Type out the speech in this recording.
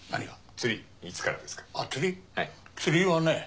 釣りはね